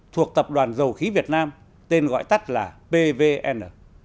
thuộc tập đoàn dầu khí việt nam tên gọi tắt là pvn